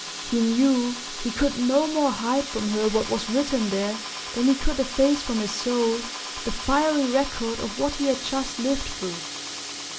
He knew he could no more hide from her what was written there than he could efface from his soul the fiery record of what he had just lived through.